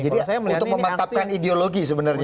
jadi untuk memantapkan ideologi sebenarnya